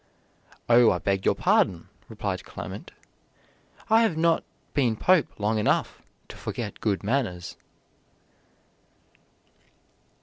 "Oh, I beg your pardon," replied Clement. "I have not been pope long enough to forget good manners."